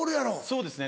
そうですね。